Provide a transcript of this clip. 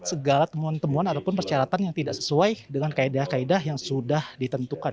segala temuan temuan ataupun persyaratan yang tidak sesuai dengan kaedah kaedah yang sudah ditentukan